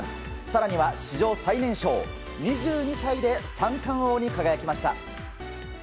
更には史上最年少２２歳で三冠王に輝きました。